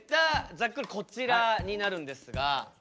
ざっくりこちらになるんですが。